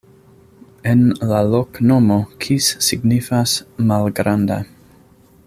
En la loknomo kis signifas: malgranda.